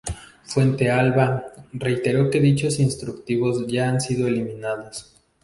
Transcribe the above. Fuente-Alba reiteró que dichos instructivos ya han sido eliminados.